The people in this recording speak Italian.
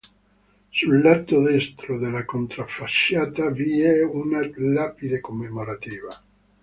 Sul lato destro della controfacciata vi è una lapide commemorativa.